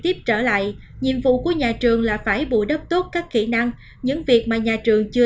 tiếp trở lại nhiệm vụ của nhà trường là phải bù đắp tốt các kỹ năng những việc mà nhà trường chưa